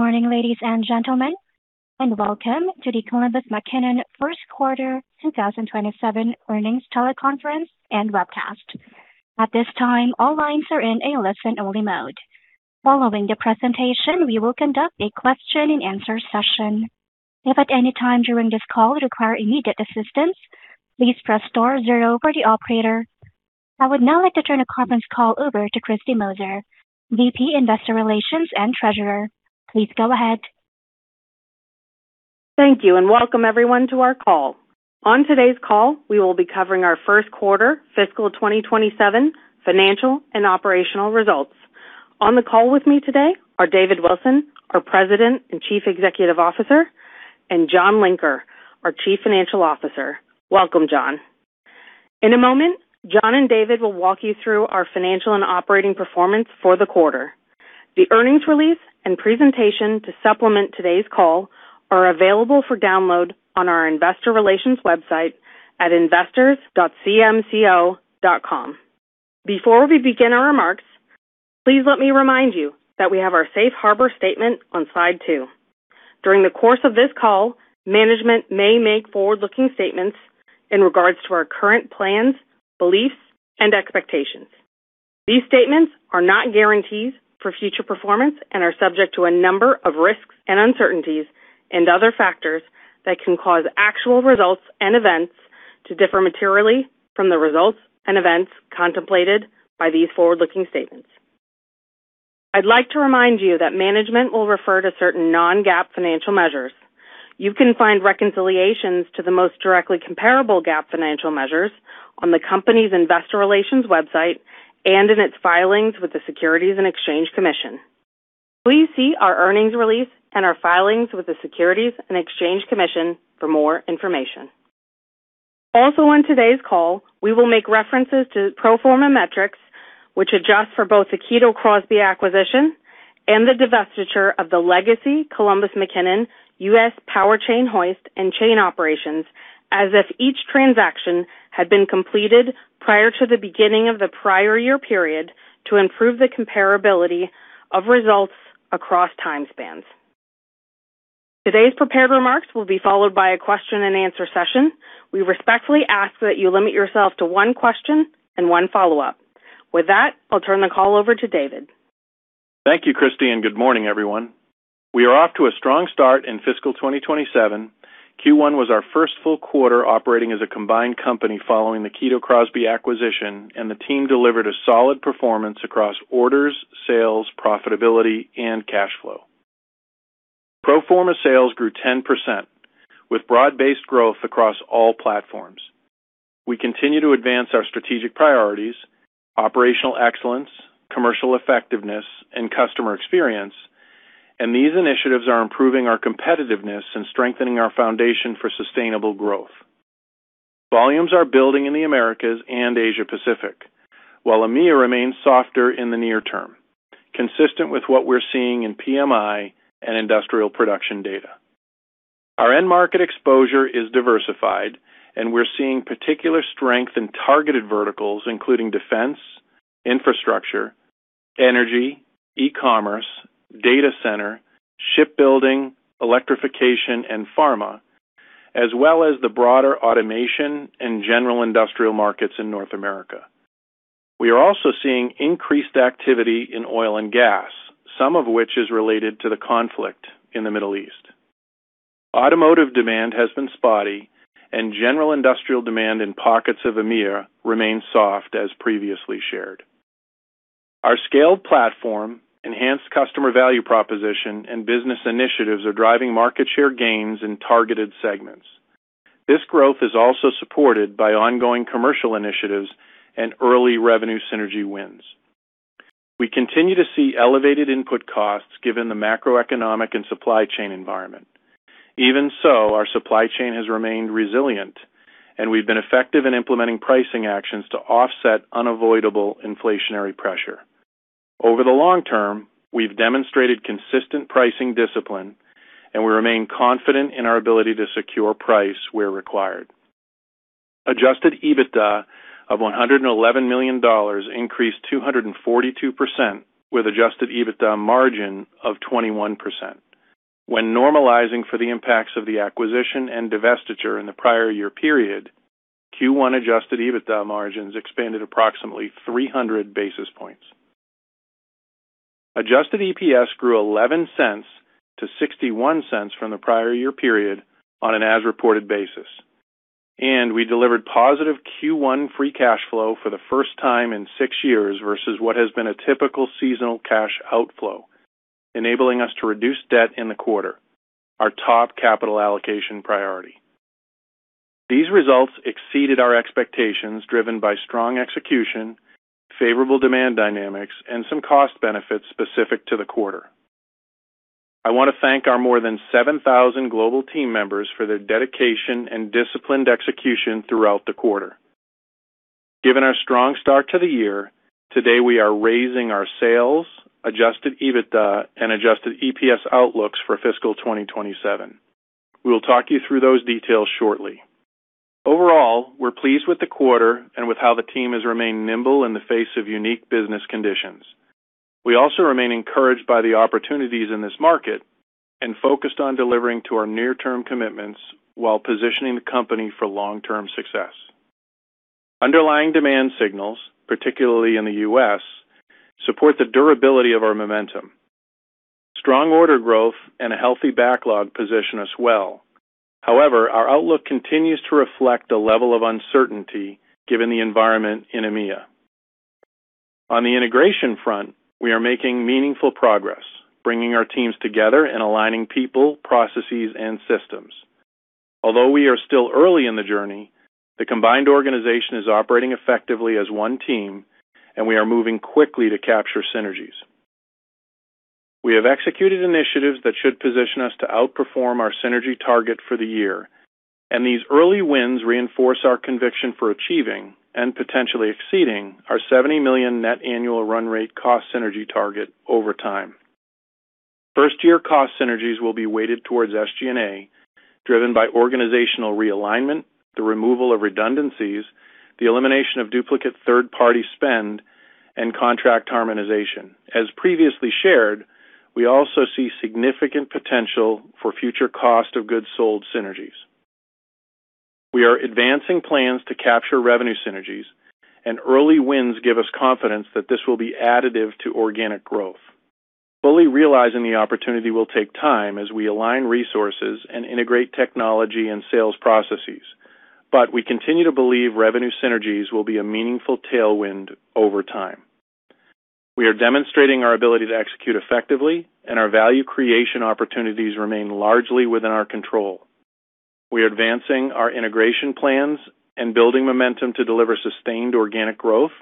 Good morning, ladies and gentlemen, and welcome to the Columbus McKinnon first quarter 2027 earnings teleconference and webcast. At this time, all lines are in a listen-only mode. Following the presentation, we will conduct a question and answer session. If at any time during this call you require immediate assistance, please press star zero for the operator. I would now like to turn the conference call over to Kristy Moser, VP, Investor Relations and Treasurer. Please go ahead. Thank you, and welcome, everyone, to our call. On today's call, we will be covering our first quarter fiscal 2027 financial and operational results. On the call with me today are David Wilson, our President and Chief Executive Officer, and John Linker, our Chief Financial Officer. Welcome, John. In a moment, John and David will walk you through our financial and operating performance for the quarter. The earnings release and presentation to supplement today's call are available for download on our investor relations website at investors.cmco.com. Before we begin our remarks, please let me remind you that we have our safe harbor statement on slide two. During the course of this call, management may make forward-looking statements in regards to our current plans, beliefs, and expectations. These statements are not guarantees for future performance and are subject to a number of risks and uncertainties and other factors that can cause actual results and events to differ materially from the results and events contemplated by these forward-looking statements. I'd like to remind you that management will refer to certain non-GAAP financial measures. You can find reconciliations to the most directly comparable GAAP financial measures on the company's investor relations website and in its filings with the Securities and Exchange Commission. Please see our earnings release and our filings with the Securities and Exchange Commission for more information. Also on today's call, we will make references to pro forma metrics, which adjust for both the Kito Crosby acquisition and the divestiture of the legacy Columbus McKinnon U.S. Power Chain hoist and chain operations as if each transaction had been completed prior to the beginning of the prior year period to improve the comparability of results across time spans. Today's prepared remarks will be followed by a question and answer session. We respectfully ask that you limit yourself to one question and one follow-up. With that, I'll turn the call over to David. Thank you, Kristy, good morning, everyone. We are off to a strong start in fiscal 2027. Q1 was our first full quarter operating as a combined company following the Kito Crosby acquisition, the team delivered a solid performance across orders, sales, profitability, and cash flow. Pro forma sales grew 10% with broad-based growth across all platforms. We continue to advance our strategic priorities, operational excellence, commercial effectiveness, and customer experience, these initiatives are improving our competitiveness and strengthening our foundation for sustainable growth. Volumes are building in the Americas and Asia Pacific, while EMEA remains softer in the near term, consistent with what we're seeing in PMI and industrial production data. Our end market exposure is diversified, we're seeing particular strength in targeted verticals, including defense, infrastructure, energy, e-commerce, data center, shipbuilding, electrification, and pharma, as well as the broader automation and general industrial markets in North America. We are also seeing increased activity in oil and gas, some of which is related to the conflict in the Middle East. Automotive demand has been spotty general industrial demand in pockets of EMEA remains soft as previously shared. Our scaled platform, enhanced customer value proposition, business initiatives are driving market share gains in targeted segments. This growth is also supported by ongoing commercial initiatives early revenue synergy wins. We continue to see elevated input costs given the macroeconomic and supply chain environment. Our supply chain has remained resilient, we've been effective in implementing pricing actions to offset unavoidable inflationary pressure. Over the long term, we've demonstrated consistent pricing discipline, we remain confident in our ability to secure price where required. Adjusted EBITDA of $111.5 Million increased 242% with adjusted EBITDA margin of 21%. When normalizing for the impacts of the acquisition and divestiture in the prior year period, Q1 adjusted EBITDA margins expanded approximately 300 basis points. Adjusted EPS grew $0.11 to $0.61 from the prior year period on an as-reported basis. We delivered positive Q1 free cash flow for the first time in six years versus what has been a typical seasonal cash outflow, enabling us to reduce debt in the quarter, our top capital allocation priority. These results exceeded our expectations, driven by strong execution, favorable demand dynamics, some cost benefits specific to the quarter. I want to thank our more than 7,000 global team members for their dedication disciplined execution throughout the quarter. Given our strong start to the year, today we are raising our sales, adjusted EBITDA, adjusted EPS outlooks for fiscal 2027. We will talk you through those details shortly. Overall, we're pleased with the quarter with how the team has remained nimble in the face of unique business conditions. We also remain encouraged by the opportunities in this market focused on delivering to our near-term commitments while positioning the company for long-term success. Underlying demand signals, particularly in the U.S., support the durability of our momentum. Strong order growth a healthy backlog position as well. Our outlook continues to reflect a level of uncertainty given the environment in EMEA. On the integration front, we are making meaningful progress, bringing our teams together and aligning people, processes, and systems. Although we are still early in the journey, the combined organization is operating effectively as one team, and we are moving quickly to capture synergies. We have executed initiatives that should position us to outperform our synergy target for the year, and these early wins reinforce our conviction for achieving and potentially exceeding our $70 million net annual run rate cost synergy target over time. First-year cost synergies will be weighted towards SG&A, driven by organizational realignment, the removal of redundancies, the elimination of duplicate third-party spend, and contract harmonization. As previously shared, we also see significant potential for future cost of goods sold synergies. We are advancing plans to capture revenue synergies, and early wins give us confidence that this will be additive to organic growth. Fully realizing the opportunity will take time as we align resources and integrate technology and sales processes. We continue to believe revenue synergies will be a meaningful tailwind over time. We are demonstrating our ability to execute effectively, and our value creation opportunities remain largely within our control. We are advancing our integration plans and building momentum to deliver sustained organic growth,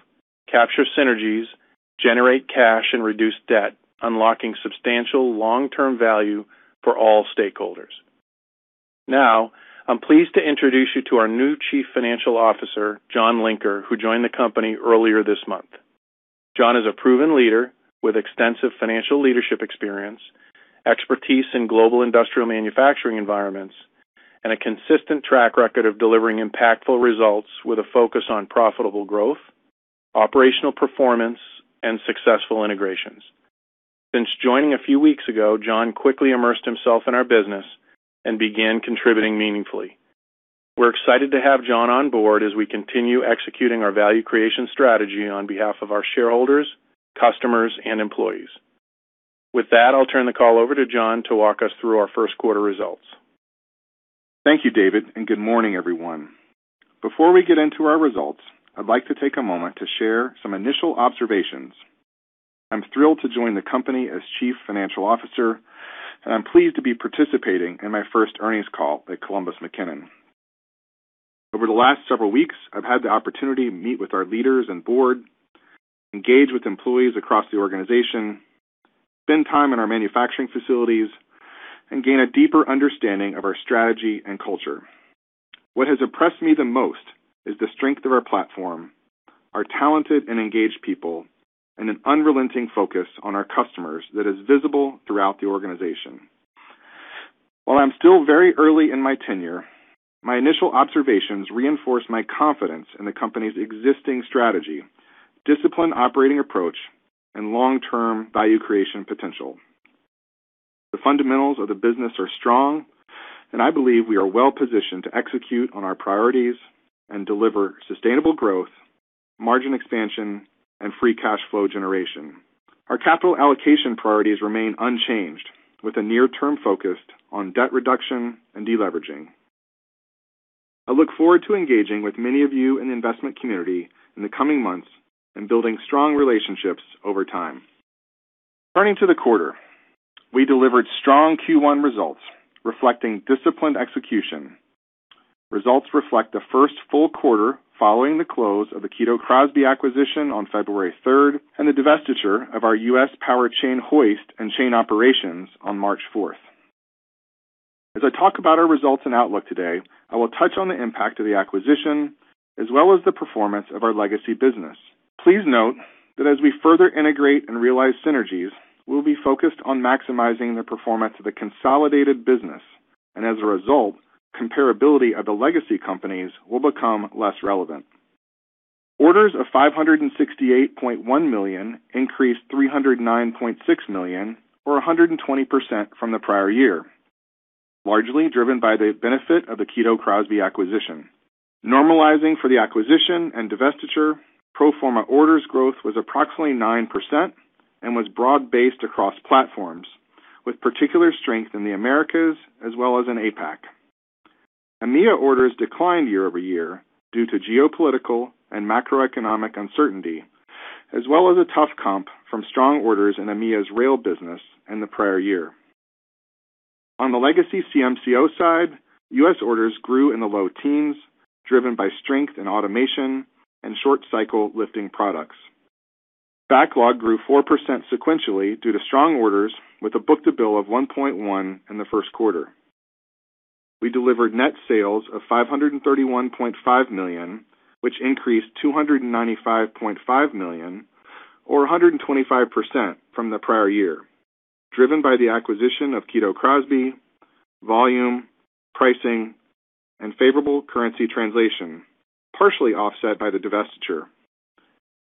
capture synergies, generate cash, and reduce debt, unlocking substantial long-term value for all stakeholders. Now, I'm pleased to introduce you to our new Chief Financial Officer, John Linker, who joined the company earlier this month. John is a proven leader with extensive financial leadership experience, expertise in global industrial manufacturing environments, and a consistent track record of delivering impactful results with a focus on profitable growth, operational performance, and successful integrations. Since joining a few weeks ago, John quickly immersed himself in our business and began contributing meaningfully. We're excited to have John on board as we continue executing our value creation strategy on behalf of our shareholders, customers, and employees. With that, I'll turn the call over to John to walk us through our first quarter results. Thank you, David, and good morning, everyone. Before we get into our results, I'd like to take a moment to share some initial observations. I'm thrilled to join the company as Chief Financial Officer, and I'm pleased to be participating in my first earnings call at Columbus McKinnon. Over the last several weeks, I've had the opportunity to meet with our leaders and board, engage with employees across the organization, spend time in our manufacturing facilities, and gain a deeper understanding of our strategy and culture. What has impressed me the most is the strength of our platform, our talented and engaged people, and an unrelenting focus on our customers that is visible throughout the organization. While I'm still very early in my tenure, my initial observations reinforce my confidence in the company's existing strategy, disciplined operating approach, and long-term value creation potential. The fundamentals of the business are strong, and I believe we are well-positioned to execute on our priorities and deliver sustainable growth, margin expansion, and free cash flow generation. Our capital allocation priorities remain unchanged, with a near-term focus on debt reduction and deleveraging. I look forward to engaging with many of you in the investment community in the coming months and building strong relationships over time. Turning to the quarter, we delivered strong Q1 results reflecting disciplined execution. Results reflect the first full quarter following the close of the Kito Crosby acquisition on February third and the divestiture of our U.S. power chain hoist and chain operations on March fourth. As I talk about our results and outlook today, I will touch on the impact of the acquisition as well as the performance of our legacy business. Please note that as we further integrate and realize synergies, we'll be focused on maximizing the performance of the consolidated business, and as a result, comparability of the legacy companies will become less relevant. Orders of $568.1 million increased $309.6 million or 120% from the prior year, largely driven by the benefit of the Kito Crosby acquisition. Normalizing for the acquisition and divestiture, pro forma orders growth was approximately 9% and was broad-based across platforms, with particular strength in the Americas as well as in APAC. EMEA orders declined year-over-year due to geopolitical and macroeconomic uncertainty, as well as a tough comp from strong orders in EMEA's rail business in the prior year. On the legacy CMCO side, U.S. orders grew in the low teens, driven by strength in automation and short-cycle lifting products. Backlog grew 4% sequentially due to strong orders with a book-to-bill of 1.1x in the first quarter. We delivered net sales of $531.5 million, which increased $295.5 million or 125% from the prior year. Driven by the acquisition of Kito Crosby, volume, pricing, and favorable currency translation, partially offset by the divestiture.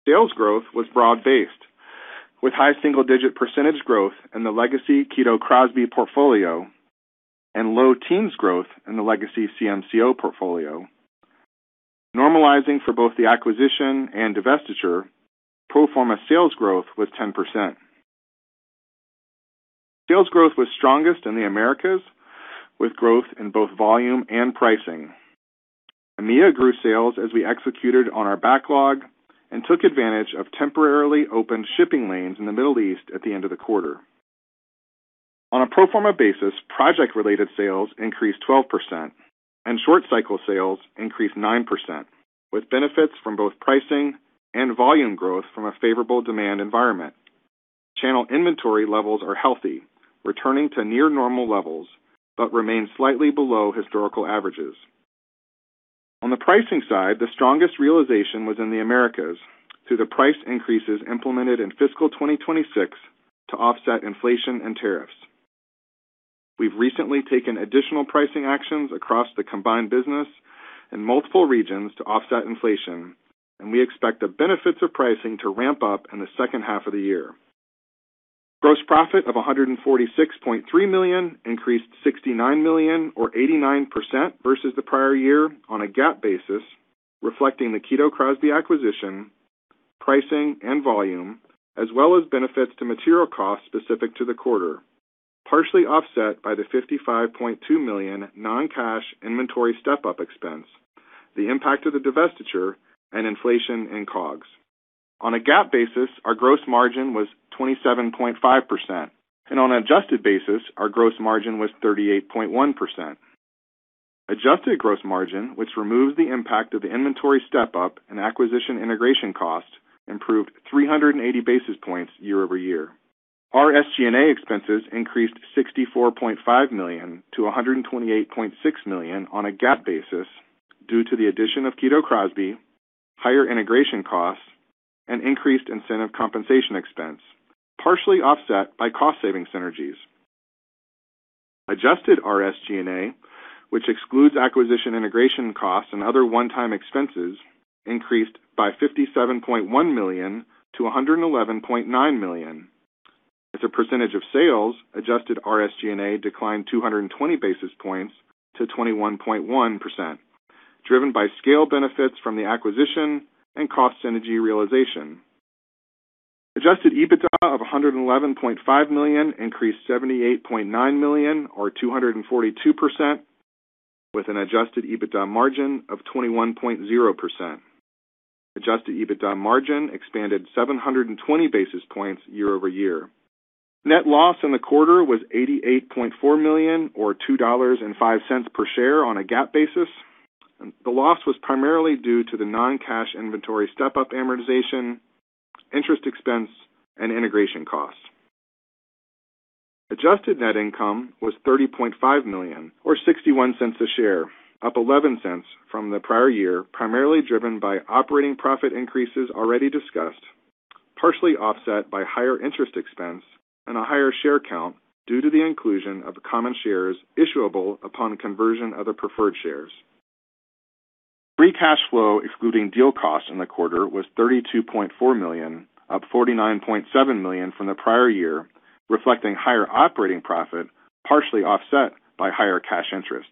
Sales growth was broad-based, with high single-digit percentage growth in the legacy Kito Crosby portfolio and low teens growth in the legacy CMCO portfolio. Normalizing for both the acquisition and divestiture, pro forma sales growth was 10%. Sales growth was strongest in the Americas, with growth in both volume and pricing. EMEA grew sales as we executed on our backlog and took advantage of temporarily open shipping lanes in the Middle East at the end of the quarter. On a pro forma basis, project-related sales increased 12%, and short cycle sales increased 9%, with benefits from both pricing and volume growth from a favorable demand environment. Channel inventory levels are healthy, returning to near normal levels, but remain slightly below historical averages. On the pricing side, the strongest realization was in the Americas through the price increases implemented in fiscal 2026 to offset inflation and tariffs. We've recently taken additional pricing actions across the combined business in multiple regions to offset inflation, and we expect the benefits of pricing to ramp up in the second half of the year. Gross profit of $146.3 million increased $69 million or 89% versus the prior year on a GAAP basis, reflecting the Kito Crosby acquisition, pricing, and volume, as well as benefits to material costs specific to the quarter, partially offset by the $55.2 million non-cash inventory step-up expense, the impact of the divestiture, and inflation in COGS. On a GAAP basis, our gross margin was 27.5%, and on an adjusted basis, our gross margin was 38.1%. Adjusted gross margin, which removes the impact of the inventory step-up and acquisition integration costs, improved 380 basis points year-over-year. Our SG&A expenses increased $64.5 million to $128.6 million on a GAAP basis due to the addition of Kito Crosby, higher integration costs, and increased incentive compensation expense, partially offset by cost-saving synergies. Adjusted RSG&A, which excludes acquisition integration costs and other one-time expenses, increased by $57.1 million to $111.9 million. As a percentage of sales, adjusted RSG&A declined 220 basis points to 21.1%, driven by scale benefits from the acquisition and cost synergy realization. Adjusted EBITDA of $111.5 million increased $78.9 million or 242%, with an adjusted EBITDA margin of 21.0%. Adjusted EBITDA margin expanded 720 basis points year-over-year. Net loss in the quarter was $88.4 million or $2.05 per share on a GAAP basis. The loss was primarily due to the non-cash inventory step-up amortization, interest expense, and integration costs. Adjusted net income was $30.5 million or $0.61 a share, up $0.11 from the prior year, primarily driven by operating profit increases already discussed, partially offset by higher interest expense and a higher share count due to the inclusion of the common shares issuable upon conversion of the preferred shares. Free cash flow excluding deal costs in the quarter was $32.4 million, up $49.7 million from the prior year, reflecting higher operating profit, partially offset by higher cash interest.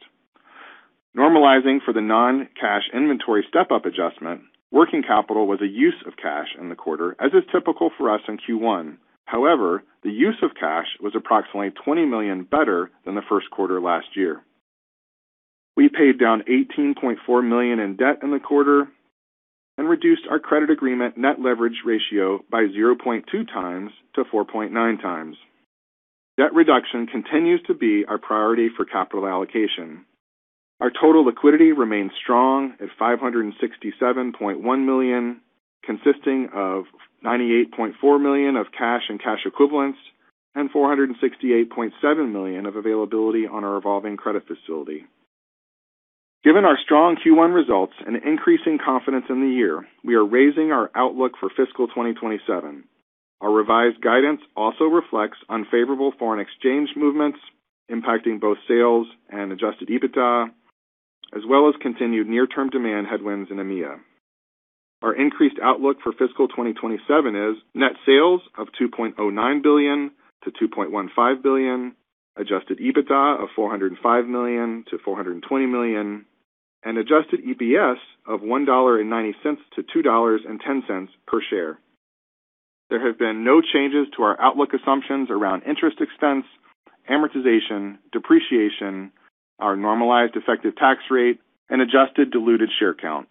Normalizing for the non-cash inventory step-up adjustment, working capital was a use of cash in the quarter, as is typical for us in Q1. However, the use of cash was approximately $20 million better than the first quarter last year. We paid down $18.4 million in debt in the quarter and reduced our credit agreement net leverage ratio by 0.2x to 4.9x. Debt reduction continues to be our priority for capital allocation. Our total liquidity remains strong at $567.1 million, consisting of $98.4 million of cash and cash equivalents and $468.7 million of availability on our revolving credit facility. Given our strong Q1 results and increasing confidence in the year, we are raising our outlook for fiscal 2027. Our revised guidance also reflects unfavorable foreign exchange movements impacting both sales and adjusted EBITDA, as well as continued near-term demand headwinds in EMEA. Our increased outlook for fiscal 2027 is net sales of $2.09 billion-$2.15 billion, adjusted EBITDA of $405 million-$420 million, and adjusted EPS of $1.90-$2.10 per share. There have been no changes to our outlook assumptions around interest expense, amortization, depreciation, our normalized effective tax rate, and adjusted diluted share count.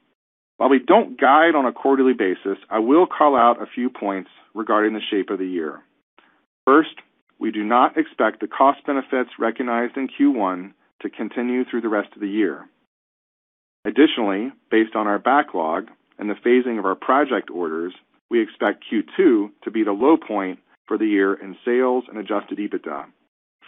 While we don't guide on a quarterly basis, I will call out a few points regarding the shape of the year. First, we do not expect the cost benefits recognized in Q1 to continue through the rest of the year. Additionally, based on our backlog and the phasing of our project orders, we expect Q2 to be the low point for the year in sales and adjusted EBITDA.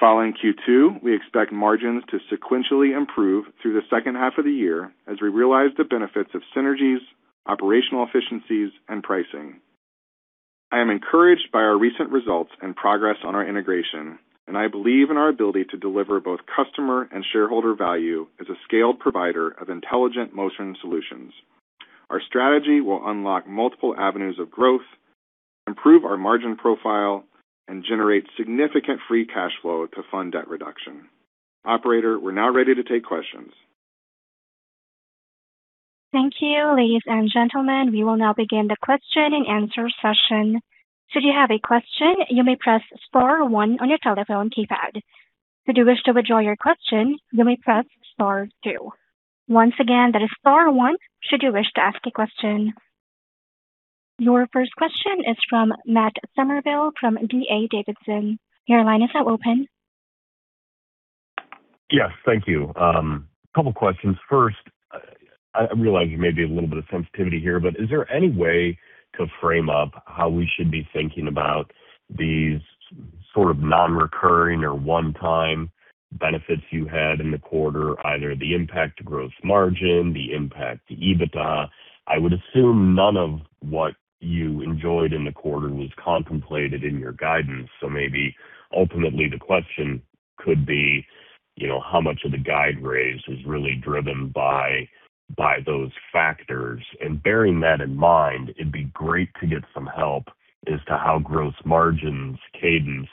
Following Q2, we expect margins to sequentially improve through the second half of the year as we realize the benefits of synergies, operational efficiencies, and pricing. I am encouraged by our recent results and progress on our integration, and I believe in our ability to deliver both customer and shareholder value as a scaled provider of intelligent motion solutions. Our strategy will unlock multiple avenues of growth, improve our margin profile, and generate significant free cash flow to fund debt reduction. Operator, we're now ready to take questions. Thank you. Ladies and gentlemen, we will now begin the question and answer session. Should you have a question, you may press star one on your telephone keypad. Should you wish to withdraw your question, you may press star two. Once again, that is star one should you wish to ask a question. Your first question is from Matt Summerville from D.A. Davidson. Your line is now open. Yes. Thank you. Couple questions. First, I realize there may be a little bit of sensitivity here, but is there any way to frame up how we should be thinking about these sort of non-recurring or one-time benefits you had in the quarter, either the impact to gross margin, the impact to EBITDA? I would assume none of what you enjoyed in the quarter was contemplated in your guidance. Maybe ultimately the question could be, how much of the guide raise was really driven by those factors? Bearing that in mind, it'd be great to get some help as to how gross margins cadenced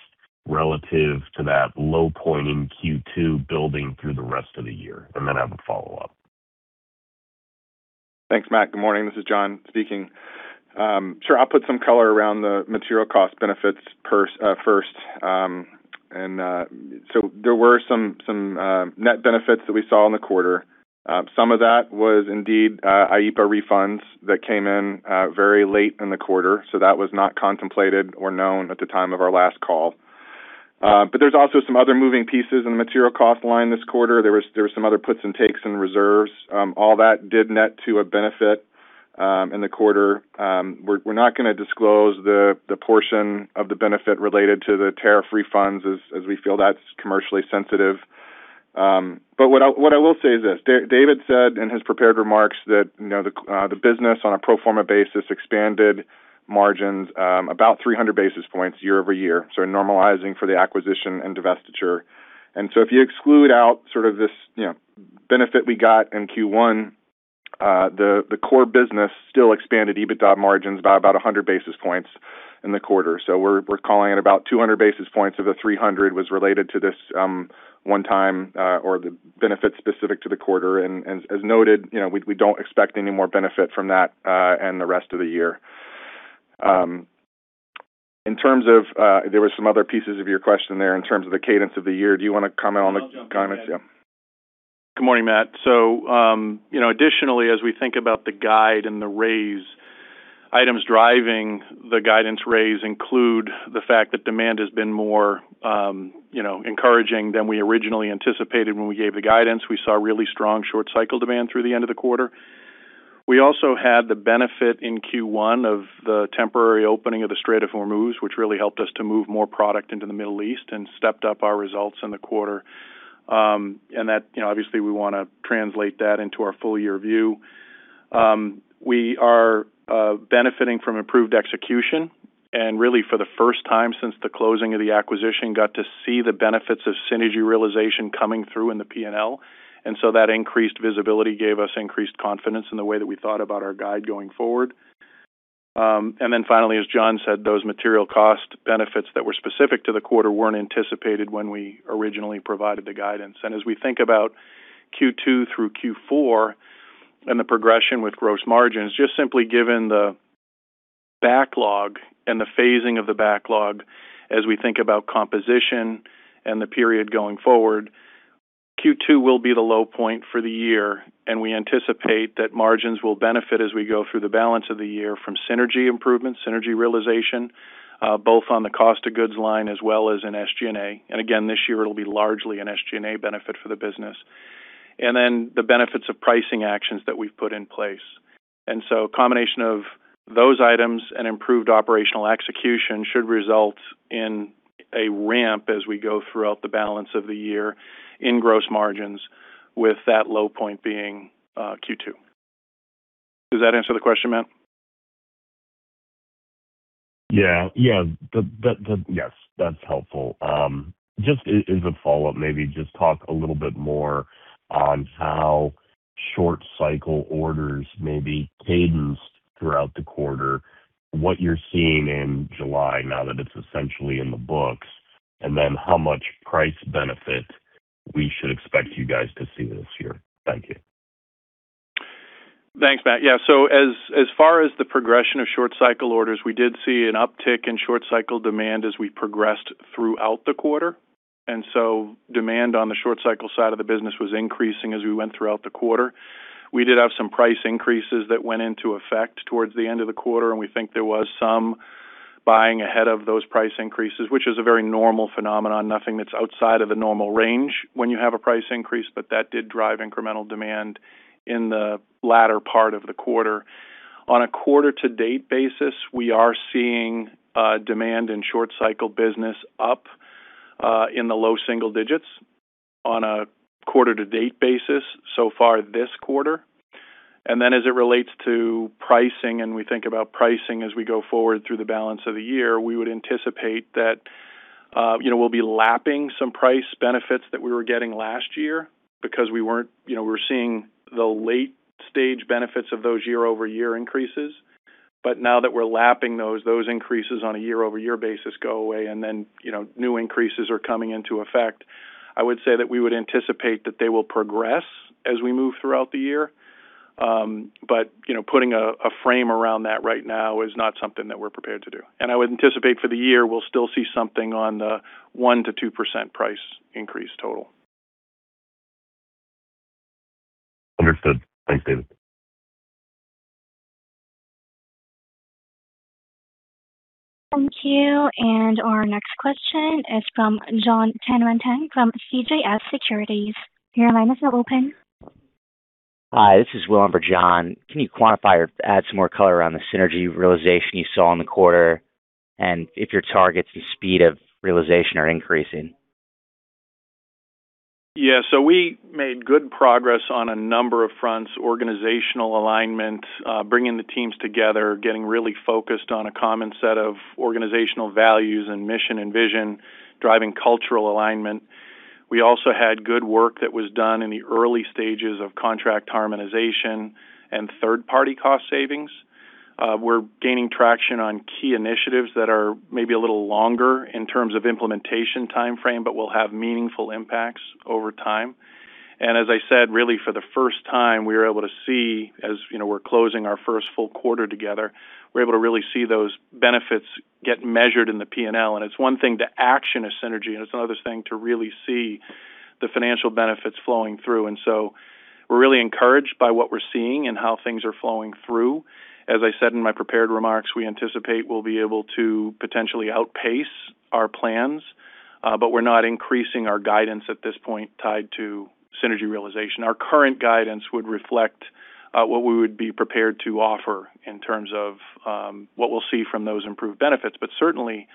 relative to that low point in Q2 building through the rest of the year. Then I have a follow-up. Thanks, Matt. Good morning. This is John speaking. Sure. I'll put some color around the material cost benefits first. There were some net benefits that we saw in the quarter. Some of that was indeed IEEPA refunds that came in very late in the quarter, so that was not contemplated or known at the time of our last call. There's also some other moving pieces in the material cost line this quarter. There was some other puts and takes in reserves. All that did net to a benefit in the quarter. We're not going to disclose the portion of the benefit related to the tariff refunds as we feel that's commercially sensitive. What I will say is this, David said in his prepared remarks that the business on a pro forma basis expanded margins about 300 basis points year-over-year, normalizing for the acquisition and divestiture. If you exclude out sort of this benefit we got in Q1, the core business still expanded EBITDA margins by about 100 basis points in the quarter. We're calling it about 200 basis points of the 300 basis points was related to this one time or the benefit specific to the quarter. As noted, we don't expect any more benefit from that in the rest of the year. There were some other pieces of your question there in terms of the cadence of the year. Do you want to comment on the comments? Yeah. I'll jump in, Matt. Good morning, Matt. Additionally as we think about the guide and the raise, items driving the guidance raise include the fact that demand has been more encouraging than we originally anticipated when we gave the guidance. We saw really strong short cycle demand through the end of the quarter. We also had the benefit in Q1 of the temporary opening of the Strait of Hormuz, which really helped us to move more product into the Middle East and stepped up our results in the quarter. That, obviously we want to translate that into our full year view. We are benefiting from improved execution and really for the first time since the closing of the acquisition, got to see the benefits of synergy realization coming through in the P&L. That increased visibility gave us increased confidence in the way that we thought about our guide going forward. Finally, as John said, those material cost benefits that were specific to the quarter weren't anticipated when we originally provided the guidance. As we think about Q2 through Q4 and the progression with gross margins, just simply given the backlog and the phasing of the backlog as we think about composition and the period going forward, Q2 will be the low point for the year, and we anticipate that margins will benefit as we go through the balance of the year from synergy improvements, synergy realization, both on the COGS line as well as in SG&A. Again, this year it'll be largely an SG&A benefit for the business. Then the benefits of pricing actions that we've put in place. A combination of those items and improved operational execution should result in a ramp as we go throughout the balance of the year in gross margins with that low point being Q2. Does that answer the question, Matt? Yes. That's helpful. Just as a follow-up, maybe just talk a little bit more on how short cycle orders may be cadenced throughout the quarter, what you're seeing in July now that it's essentially in the books, and then how much price benefit we should expect you guys to see this year. Thank you. Thanks, Matt. As far as the progression of short cycle orders, we did see an uptick in short cycle demand as we progressed throughout the quarter. Demand on the short cycle side of the business was increasing as we went throughout the quarter. We did have some price increases that went into effect towards the end of the quarter, and we think there was some buying ahead of those price increases, which is a very normal phenomenon. Nothing that's outside of the normal range when you have a price increase, but that did drive incremental demand in the latter part of the quarter. On a quarter to date basis, we are seeing demand in short cycle business up in the low single digits on a quarter to date basis so far this quarter. As it relates to pricing, and we think about pricing as we go forward through the balance of the year, we would anticipate that we'll be lapping some price benefits that we were getting last year because we were seeing the late-stage benefits of those year-over-year increases. Now that we're lapping those increases on a year-over-year basis go away, and then new increases are coming into effect. I would say that we would anticipate that they will progress as we move throughout the year. Putting a frame around that right now is not something that we're prepared to do. I would anticipate for the year, we'll still see something on the 1%-2% price increase total. Understood. Thanks, David. Thank you. Our next question is from Jon Tanwanteng from CJS Securities. Your line is now open. Hi, this is Will on for Jon. Can you quantify or add some more color around the synergy realization you saw in the quarter, and if your targets and speed of realization are increasing? Yeah. We made good progress on a number of fronts, organizational alignment, bringing the teams together, getting really focused on a common set of organizational values and mission and vision, driving cultural alignment. We also had good work that was done in the early stages of contract harmonization and third-party cost savings. We're gaining traction on key initiatives that are maybe a little longer in terms of implementation timeframe, but will have meaningful impacts over time. As I said, really for the first time, as we're closing our first full quarter together, we're able to really see those benefits get measured in the P&L. It's one thing to action a synergy, it's another thing to really see the financial benefits flowing through. We're really encouraged by what we're seeing and how things are flowing through. As I said in my prepared remarks, I anticipate we'll be able to potentially outpace our plans, but we're not increasing our guidance at this point tied to synergy realization. Our current guidance would reflect what we would be prepared to offer in terms of what we'll see from those improved benefits. Certainly,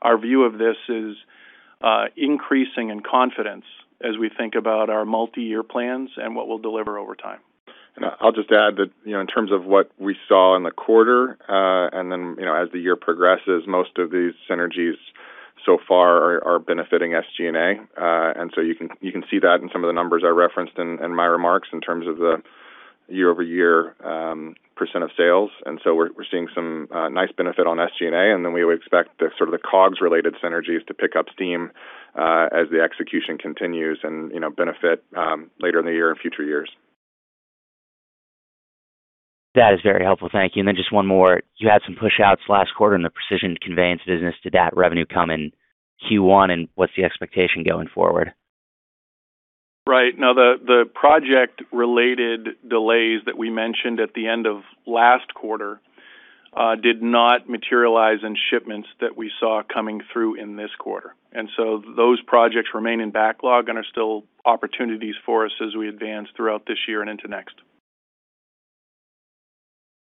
our view of this is increasing in confidence as we think about our multi-year plans and what we'll deliver over time. I'll just add that in terms of what we saw in the quarter, as the year progresses, most of these synergies so far are benefiting SG&A. You can see that in some of the numbers I referenced in my remarks in terms of the year-over-year percent of sales. We're seeing some nice benefit on SG&A, we would expect the COGS-related synergies to pick up steam as the execution continues and benefit later in the year and future years. That is very helpful. Thank you. Just one more. You had some push outs last quarter in the Precision Conveyance business. Did that revenue come in Q1, and what's the expectation going forward? Right. No, the project-related delays that we mentioned at the end of last quarter did not materialize in shipments that we saw coming through in this quarter. Those projects remain in backlog and are still opportunities for us as we advance throughout this year and into next.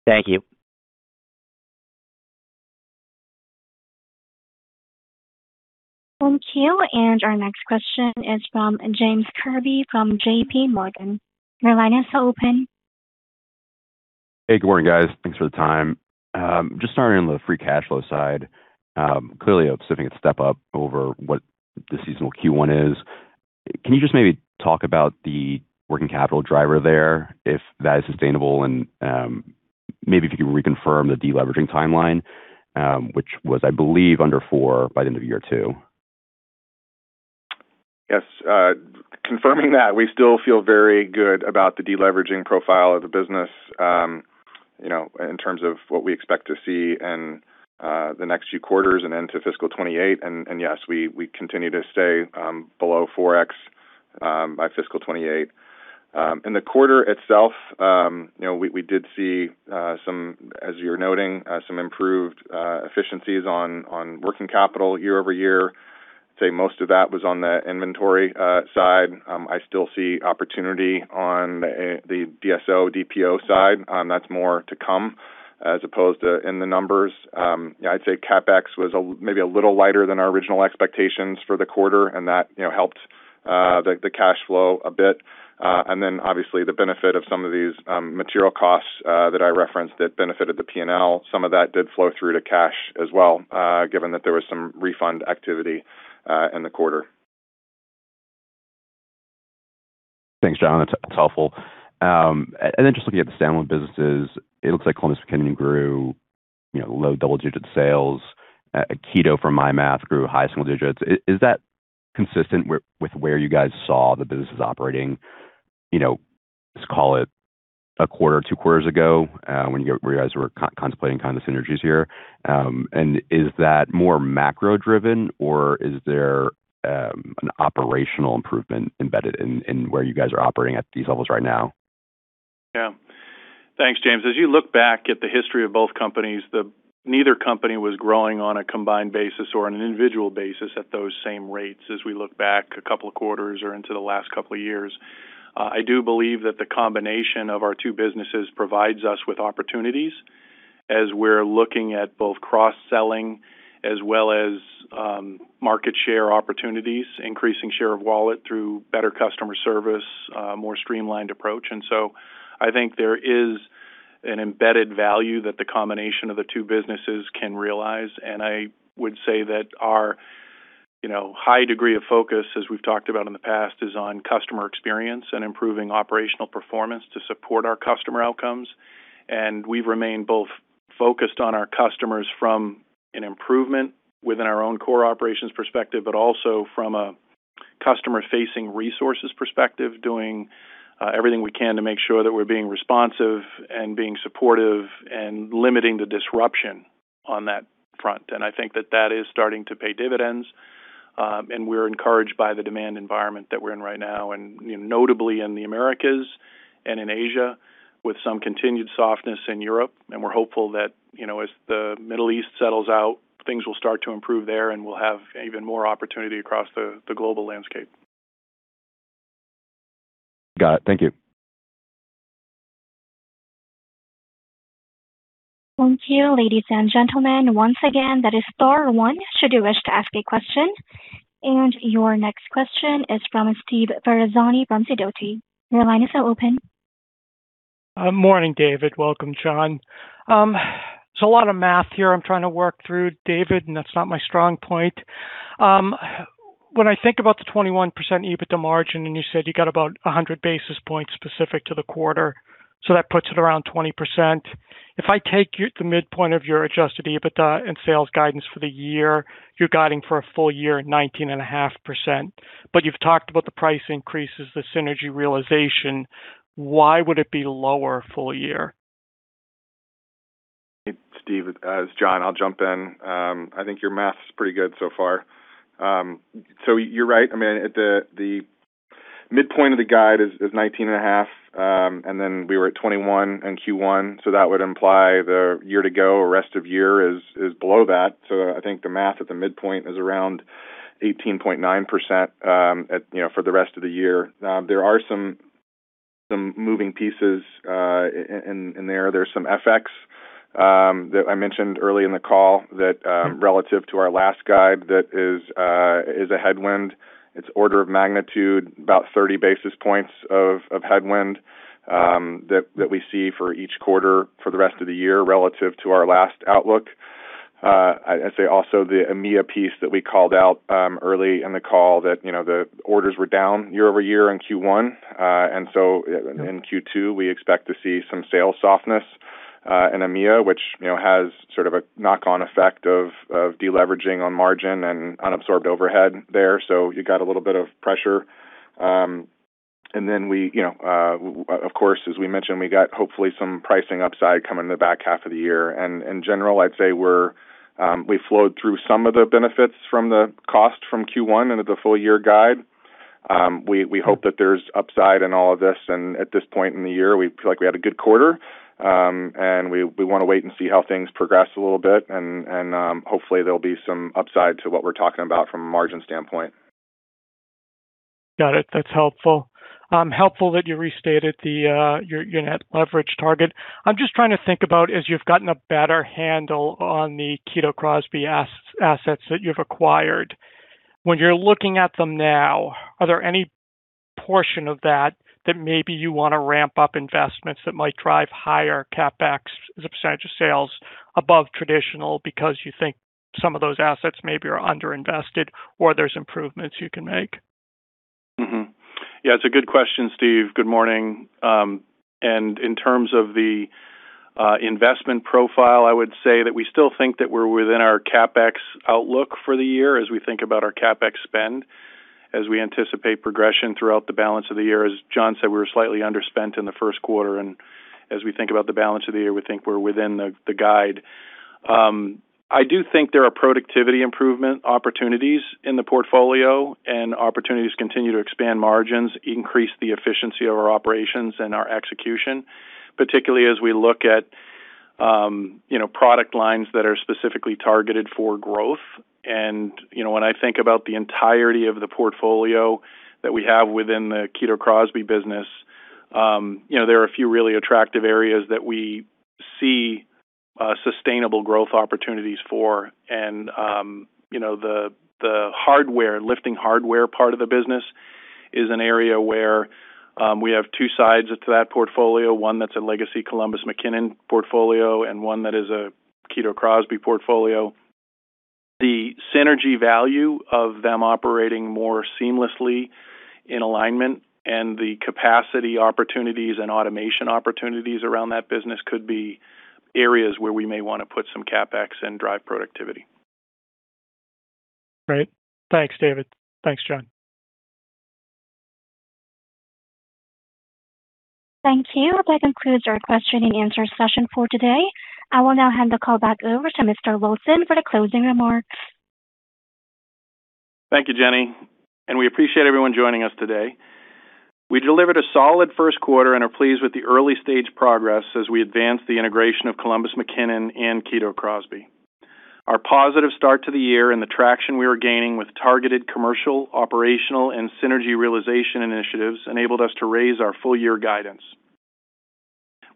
Thank you. Thank you. Our next question is from James Kirby from JPMorgan. Your line is now open. Hey, good morning, guys. Thanks for the time. Just starting on the free cash flow side. Clearly, I'm sitting at step up over what the seasonal Q1 is. Can you just maybe talk about the working capital driver there, if that is sustainable, and maybe if you could reconfirm the deleveraging timeline, which was, I believe, under 4x by the end of year two? Yes. Confirming that we still feel very good about the deleveraging profile of the business in terms of what we expect to see in the next few quarters and into fiscal 2028. Yes, we continue to stay below 4x by fiscal 2028. In the quarter itself, we did see some, as you're noting, some improved efficiencies on working capital year-over-year. I'd say most of that was on the inventory side. I still see opportunity on the DSO/DPO side. That's more to come as opposed to in the numbers. I'd say CapEx was maybe a little lighter than our original expectations for the quarter, and that helped the cash flow a bit. Obviously, the benefit of some of these material costs that I referenced that benefited the P&L. Some of that did flow through to cash as well, given that there was some refund activity in the quarter. Thanks, John. That's helpful. Just looking at the stand-alone businesses, it looks like Columbus McKinnon grew low double-digit sales. Kito, from my math, grew high single digits. Is that consistent with where you guys saw the businesses operating, let's call it one quarter or two quarters ago, when you guys were contemplating synergies here? Is that more macro-driven, or is there an operational improvement embedded in where you guys are operating at these levels right now? Thanks, James. As you look back at the history of both companies, neither company was growing on a combined basis or on an individual basis at those same rates as we look back a couple of quarters or into the last couple of years. I do believe that the combination of our two businesses provides us with opportunities As we're looking at both cross-selling as well as market share opportunities, increasing share of wallet through better customer service, more streamlined approach. I think there is an embedded value that the combination of the two businesses can realize. I would say that our high degree of focus, as we've talked about in the past, is on customer experience and improving operational performance to support our customer outcomes. We've remained both focused on our customers from an improvement within our own core operations perspective, but also from a customer-facing resources perspective, doing everything we can to make sure that we're being responsive and being supportive and limiting the disruption on that front. I think that is starting to pay dividends, and we're encouraged by the demand environment that we're in right now. Notably in the Americas and in Asia, with some continued softness in Europe. We're hopeful that as the Middle East settles out, things will start to improve there, and we'll have even more opportunity across the global landscape. Got it. Thank you. Thank you, ladies and gentlemen. Once again, that is star one should you wish to ask a question. Your next question is from Steve Ferazani from Sidoti. Your line is now open. Morning, David. Welcome, John. A lot of math here I'm trying to work through, David, and that's not my strong point. When I think about the 21% EBITDA margin, and you said you got about 100 basis points specific to the quarter, so that puts it around 20%. If I take the midpoint of your adjusted EBITDA and sales guidance for the year, you're guiding for a full year at 19.5%, but you've talked about the price increases, the synergy realization. Why would it be lower full year? Steve, it's John. I'll jump in. I think your math is pretty good so far. You're right. The midpoint of the guide is 19.5%, and then we were at 21% in Q1, so that would imply the year to go or rest of year is below that. I think the math at the midpoint is around 18.9% for the rest of the year. There are some moving pieces in there. There's some FX that I mentioned early in the call that relative to our last guide, that is a headwind. It's order of magnitude, about 30 basis points of headwind that we see for each quarter for the rest of the year relative to our last outlook. I'd say also the EMEA piece that we called out early in the call that the orders were down year-over-year in Q1. In Q2, we expect to see some sales softness in EMEA, which has sort of a knock-on effect of de-leveraging on margin and unabsorbed overhead there. You got a little bit of pressure. Then of course, as we mentioned, we got hopefully some pricing upside coming in the back half of the year. In general, I'd say we flowed through some of the benefits from the cost from Q1 into the full-year guide. We hope that there's upside in all of this, and at this point in the year, we feel like we had a good quarter. We want to wait and see how things progress a little bit, and hopefully, there'll be some upside to what we're talking about from a margin standpoint. Got it. That's helpful. Helpful that you restated your net leverage target. I'm just trying to think about as you've gotten a better handle on the Kito Crosby assets that you've acquired. When you're looking at them now, are there any portion of that that maybe you want to ramp up investments that might drive higher CapEx as a percent of sales above traditional because you think some of those assets maybe are under-invested or there's improvements you can make? It's a good question, Steve. Good morning. In terms of the investment profile, I would say that we still think that we're within our CapEx outlook for the year as we think about our CapEx spend, as we anticipate progression throughout the balance of the year. As John said, we were slightly underspent in the first quarter, and as we think about the balance of the year, we think we're within the guide. I do think there are productivity improvement opportunities in the portfolio and opportunities continue to expand margins, increase the efficiency of our operations and our execution, particularly as we look at product lines that are specifically targeted for growth. When I think about the entirety of the portfolio that we have within the Kito Crosby business, there are a few really attractive areas that we see sustainable growth opportunities for. The lifting hardware part of the business is an area where we have two sides to that portfolio. One that's a legacy Columbus McKinnon portfolio and one that is a Kito Crosby portfolio. The synergy value of them operating more seamlessly in alignment and the capacity opportunities and automation opportunities around that business could be areas where we may want to put some CapEx and drive productivity. Great. Thanks, David. Thanks, John. Thank you. That concludes our question and answer session for today. I will now hand the call back over to Mr. Wilson for the closing remarks. Thank you, Jenny. We appreciate everyone joining us today. We delivered a solid first quarter and are pleased with the early-stage progress as we advance the integration of Columbus McKinnon and Kito Crosby. Our positive start to the year and the traction we are gaining with targeted commercial, operational, and synergy realization initiatives enabled us to raise our full-year guidance.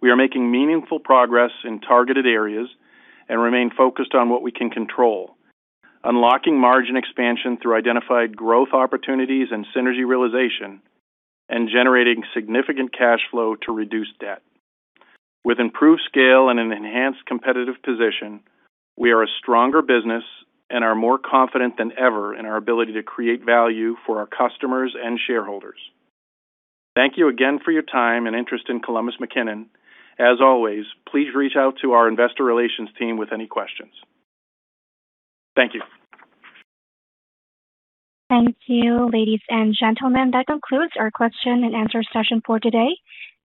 We are making meaningful progress in targeted areas and remain focused on what we can control. Unlocking margin expansion through identified growth opportunities and synergy realization, generating significant cash flow to reduce debt. With improved scale and an enhanced competitive position, we are a stronger business and are more confident than ever in our ability to create value for our customers and shareholders. Thank you again for your time and interest in Columbus McKinnon. As always, please reach out to our investor relations team with any questions. Thank you. Thank you, ladies and gentlemen. That concludes our question and answer session for today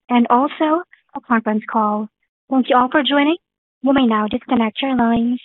and also our conference call. Thank you all for joining. You may now disconnect your lines.